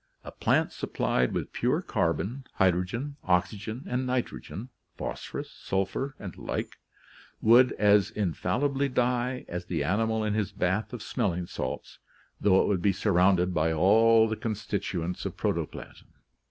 ... A plant supplied with pure carbon, hydrogen, oxygen, and nitrogen, phosphorus, sulphur, and the like would as infallibly die as the animal in his bath of smelling salts, though it would be surrounded by all the constituents of protoplasm."